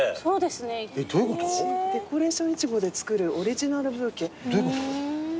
「デコレーションいちごで作るオリジナルブーケ」どういうこと？